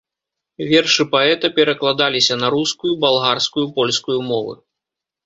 Вершы паэта перакладаліся на рускую, балгарскую, польскую мовы.